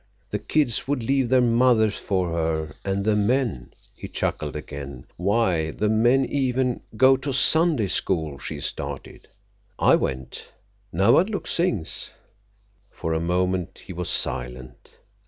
The kids would leave their mothers for her, and the men—" He chuckled again. "Why, the men even go to the Sunday school she's started! I went. Nawadlook sings." For a moment he was silent.